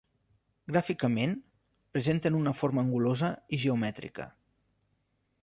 Gràficament, presenten una forma angulosa i geomètrica.